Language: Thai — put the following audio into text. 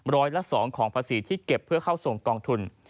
ร้อยละ๒ของภาษีที่เก็บเพื่อเข้าส่งกองทุน